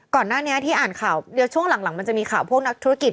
ก่อนหน้านี้ที่อ่านข่าวเดี๋ยวช่วงหลังมันจะมีข่าวพวกนักธุรกิจ